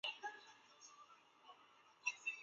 西伯利亚耧斗菜为毛茛科耧斗菜属下的一个种。